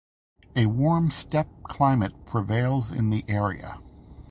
A warm steppe climate prevails in the area.